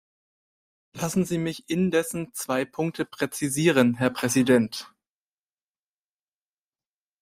Lassen Sie mich indessen zwei Punkte präzisieren, Herr Präsident.